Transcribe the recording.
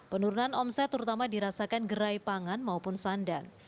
penurunan omset terutama dirasakan gerai pangan maupun sandang